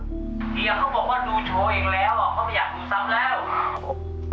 เฮียเขาบอกว่าดูโชว์อีกแล้วอ่ะเขาไม่อยากดูซ้ำแล้ว